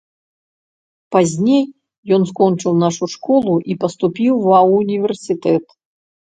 Пазней ён скончыў нашу школу і паступіў ва ўніверсітэт.